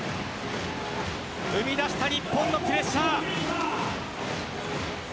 生み出した日本のプレッシャー。